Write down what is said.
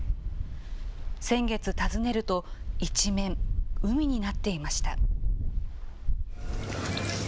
先月訪ねると、一面、海になっていました。